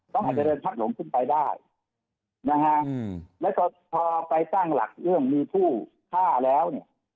เขาอาจจะเดินพัดหลงขึ้นไปได้นะฮะแล้วก็พอไปตั้งหลักเรื่องมีผู้ฆ่าแล้วเนี่ย